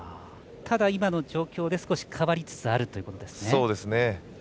ただ、今の状況で変わりつつあるということですね。